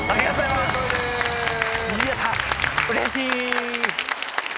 うれしい！